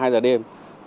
hai giờ đêm